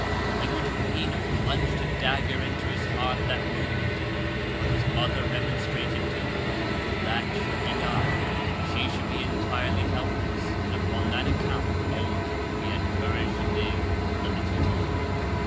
He would fain have plung'd a Dagger into his Heart that Moment; but his Mother remonstrated to him, that, should he die, she should be entirely helpless, and upon that Account only he had Courage to live a little longer.